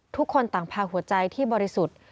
ทุกคนต่างพาหัวใจที่บริสุทธิ์